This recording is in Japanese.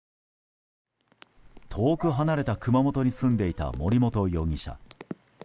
遠く離れた熊本に住んでいた森本容疑者。